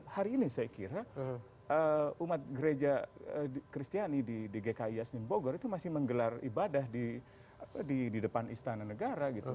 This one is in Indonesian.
hari ini saya kira umat gereja kristiani di gki yasmin bogor itu masih menggelar ibadah di depan istana negara gitu